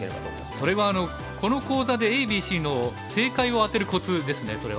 それはあのこの講座でＡＢＣの正解を当てるコツですねそれは。